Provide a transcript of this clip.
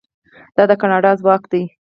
دا د کاناډا ځواک دی.